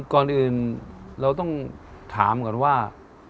ก่อนอื่นเราต้องถามก่อนว่า